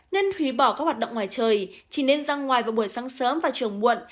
nên hủy bỏ các hoạt động ngoài trời chỉ nên ra ngoài vào buổi sáng sớm và chiều muộn